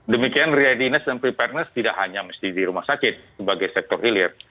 demikian readiness dan preparetness tidak hanya mesti di rumah sakit sebagai sektor hilir